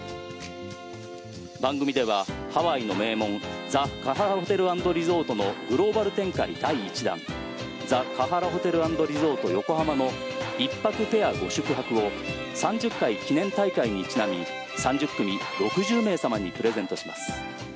番組ではハワイの名門ザ・カハラ・ホテル＆リゾートのグローバル展開、第１弾ザ・カハラ・ホテル＆リゾート横浜の１泊ペアご宿泊を３０回記念大会にちなみ３０組６０名様にプレゼントします。